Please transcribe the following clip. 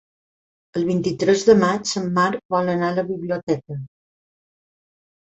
El vint-i-tres de maig en Marc vol anar a la biblioteca.